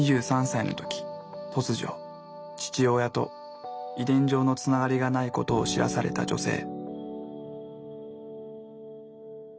２３歳の時突如父親と遺伝上のつながりがないことを知らされた女性。